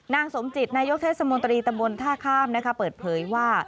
นางสมจิตนายกเทศมนตรีตำบลท่าข้ามนะคะเปิดเผยว่า